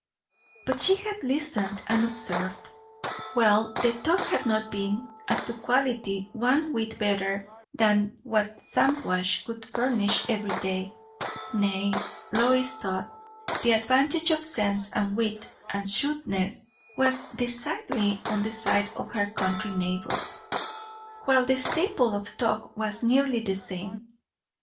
But she had listened, and observed. Well, the talk had not been, as to quality, one whit better than what Shampuashuh could furnish every day; nay, Lois thought the advantage of sense and wit and shrewdness was decidedly on the side of her country neighbours; while the staple of talk was nearly the same.